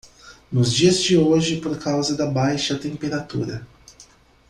Nos dias de hoje por causa da baixa temperatura